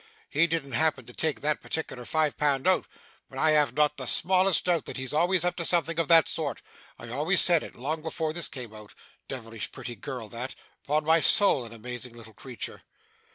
He didn't happen to take that particular five pound note, but I have not the smallest doubt that he's always up to something of that sort. I always said it, long before this came out. Devilish pretty girl that! 'Pon my soul, an amazing little creature!